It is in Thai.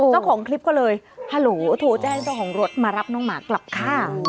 เจ้าของคลิปก็เลยฮัลโหลโทรแจ้งเจ้าของรถมารับน้องหมากลับค่ะ